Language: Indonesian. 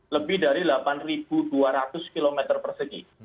lebih dari delapan dua ratus km persegi